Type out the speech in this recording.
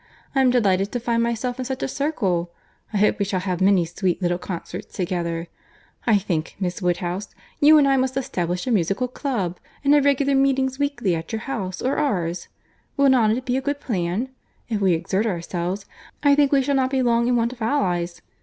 I am delighted to find myself in such a circle. I hope we shall have many sweet little concerts together. I think, Miss Woodhouse, you and I must establish a musical club, and have regular weekly meetings at your house, or ours. Will not it be a good plan? If we exert ourselves, I think we shall not be long in want of allies.